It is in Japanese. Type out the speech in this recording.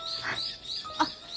あっ